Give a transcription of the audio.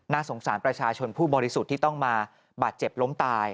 สงสารประชาชนผู้บริสุทธิ์ที่ต้องมาบาดเจ็บล้มตาย